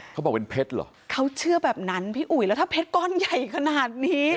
เขาบอกเป็นเพชรเหรอเขาเชื่อแบบนั้นพี่อุ๋ยแล้วถ้าเพชรก้อนใหญ่ขนาดนี้